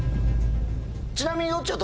ちなみに。